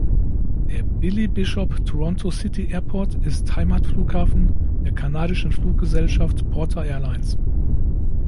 Der Billy Bishop Toronto City Airport ist Heimatflughafen der kanadischen Fluggesellschaft Porter Airlines.